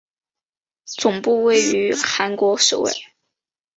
总部位于韩国首尔。